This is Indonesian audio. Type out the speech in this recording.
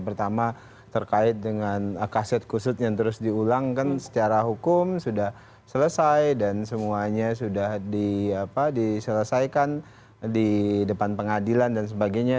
pertama terkait dengan kaset kusut yang terus diulangkan secara hukum sudah selesai dan semuanya sudah diselesaikan di depan pengadilan dan sebagainya